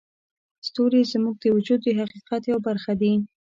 ستوري زموږ د وجود د حقیقت یوه برخه دي.